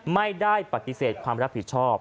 ไม่ได้ปฏิเสธความรับผิดชอบ